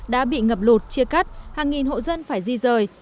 đã bị ngập lột chia cắt hàng nghìn hộ dân phải di dời